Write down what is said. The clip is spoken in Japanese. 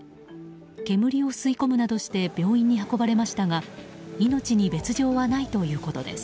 煙を吸い込むなどして病院に運ばれましたが命に別状はないということです。